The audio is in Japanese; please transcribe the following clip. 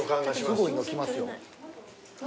すごいの来ますよ。